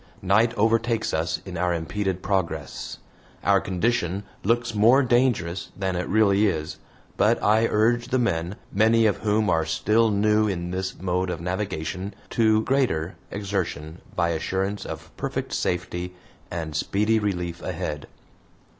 Night overtakes us in our impeded progress. Our condition looks more dangerous than it really is, but I urge the men, many of whom are still new in this mode of navigation, to greater exertion by assurance of perfect safety and speedy relief ahead.